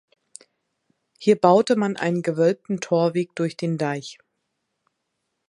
Hier baute man einen gewölbten Torweg durch den Deich.